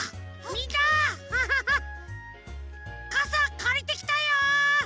ハハハかさかりてきたよ！